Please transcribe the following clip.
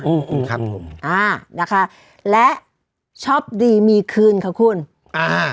ครับผมอ่านะคะและชอบดีมีคืนค่ะคุณอ่า